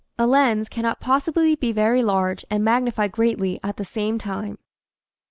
A lens cannot possibly be very large and magnify greatly at the same time.